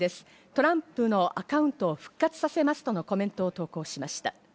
トランプのアカウントを復活させますとのコメントを投稿しました。